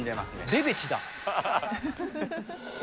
レベチだ。